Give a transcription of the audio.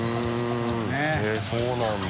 へぇそうなんだ。